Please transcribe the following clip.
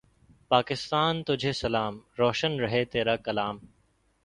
پاکستان تجھے سلام۔ روشن رہے تیرا کلام